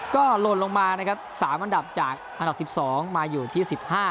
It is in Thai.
ก็หล่นลงมานะครับ๓อันดับจากอันดับ๑๒มาอยู่ที่๑๕